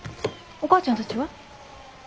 お母ちゃんたちは？